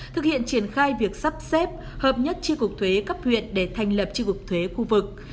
thực hiện triển khai việc sắp xếp hợp nhất tri cục thuế cấp huyện để thành lập tri cục thuế khu vực